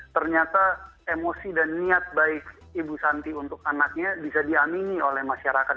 ternyata emosi dan niat baik ibu santi untuk anaknya bisa diamini oleh masyarakat